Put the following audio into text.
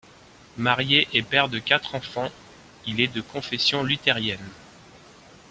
Marié et père de quatre enfants, il est de confession luthérienne.